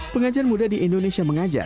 pengajar muda di indonesia mengajar